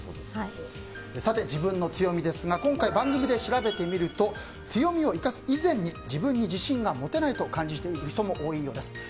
自分の強みですが今回、番組で調べてみると強みを生かす以前に自分に自信が持てないと感じている人も多いようです。